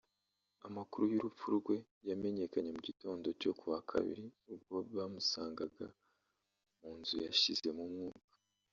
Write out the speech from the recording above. Amakuru y’ urupfu rwe yamenyekanye mu gitondo cyo ku wa Kabili ubwo bamusangaga mu mzu yashizemo umwuka